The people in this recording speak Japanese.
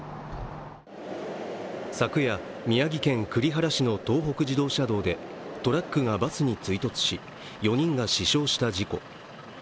昨夜、宮城県栗原市の東北自動車道でトラックがバスに追突し４人が死傷した事故。